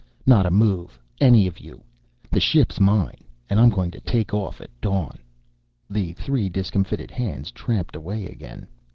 Not a move, any of you! The ship's mine, and I'm going to take off at dawn." The three discomfited hands tramped away again.